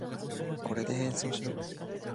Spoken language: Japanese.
これで変装しろ。